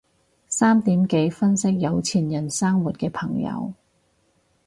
三點幾分析有錢人生活嘅朋友